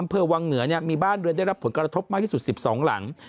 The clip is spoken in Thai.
อำเภอวังเหนือมีบ้านเรือนได้รับผลกระทบมากที่สุด๑๒หลัง